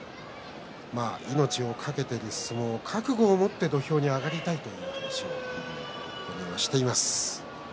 命を懸けている相撲覚悟を持って土俵に上がりたいという話をしています。